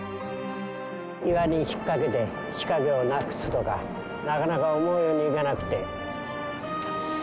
岩に引っかけて仕掛けをなくすとかなかなか思うようにいかなくて。